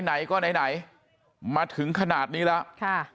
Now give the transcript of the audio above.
ไหนก็ไหนมาถึงขนาดนี้แล้วค่ะ